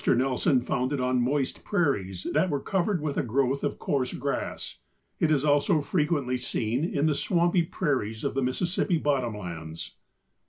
Nelson found it on moist prairies that were covered with a growth of coarse grass. It is also frequently seen in the swampy prairies of the Mississippi bottom lands.